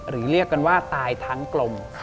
เรียกกันว่าตายทั้งกลม